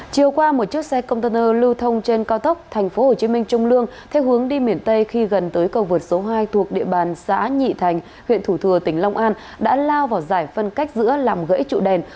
chiều qua một chiếc xe container lưu thông trên cao tốc tp hcm trung lương theo hướng đi miền tây khi gần tới cầu vượt số hai thuộc địa bàn xã nhị thành huyện thủ thừa tỉnh long an đã lao vào giải phân cách giữa làm gãy trụ đèn